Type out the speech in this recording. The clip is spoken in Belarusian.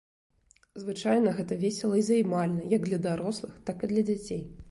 Звычайна гэта весела і займальна як для дарослых, так і для дзяцей.